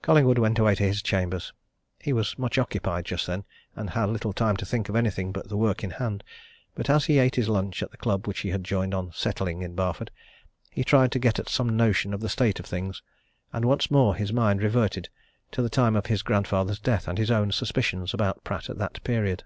Collingwood went away to his chambers. He was much occupied just then, and had little time to think of anything but the work in hand. But as he ate his lunch at the club which he had joined on settling in Barford, he tried to get at some notion of the state of things, and once more his mind reverted to the time of his grandfather's death, and his own suspicions about Pratt at that period.